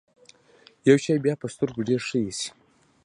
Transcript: يو شی بيا په سترګو ډېر ښه اېسي.